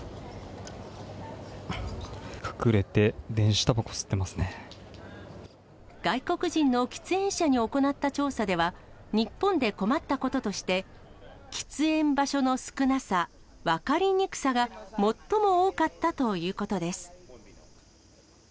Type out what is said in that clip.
隠れて、外国人の喫煙者に行った調査では、日本で困ったこととして、喫煙場所の少なさ、分かりにくさが、最も多かったということです。